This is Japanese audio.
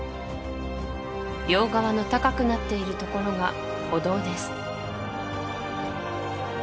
両側の高くなっているところが歩道です